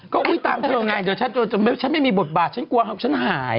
ก็อุ๊ยตามเธอไงเดี๋ยวฉันไม่มีบทบาทฉันกลัวฉันหาย